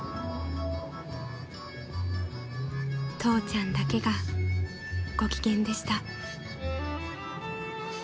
［父ちゃんだけがご機嫌でした］